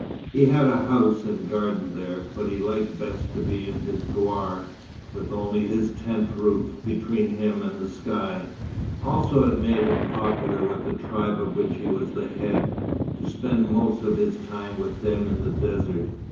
He had a house and garden there; but he liked best to be in his douar, with only his tent roof between him and the sky. Also it made him popular with the tribe of which he was the head, to spend most of his time with them in the desert.